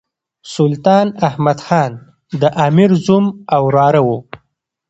سلطان احمد خان د امیر زوم او وراره وو.